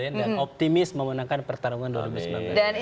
dan optimis memenangkan pertarungan dua ribu sembilan belas